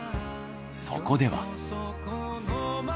そこでは。